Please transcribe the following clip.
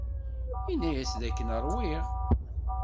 Ini-as dakken ṛwiɣ.